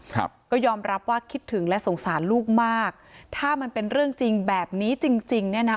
ครับก็ยอมรับว่าคิดถึงและสงสารลูกมากถ้ามันเป็นเรื่องจริงแบบนี้จริงจริงเนี่ยนะ